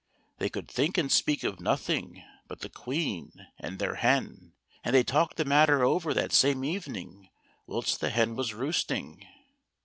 They could think and speak of nothing but the Queen and their hen, and they talked the matter over that same evening, whilst the hen was roosting.